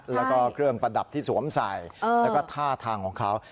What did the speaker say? แล้วก็เครื่องประดับที่สวมใส่แล้วก็ท่าทางของเขา